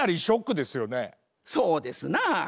そうですな。